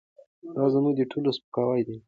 دا زموږ د ټولو سپکاوی دی.